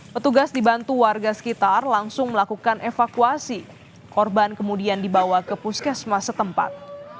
petugas dibantu warga sekitar langsung melakukan evakuasi korban kemudian dibawa ke puskesmas setempat